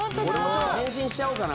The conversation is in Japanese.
変身しちゃおうかな。